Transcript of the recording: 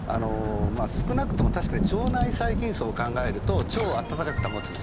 少なくとも腸内細菌叢を考えると腸を温かく保つ。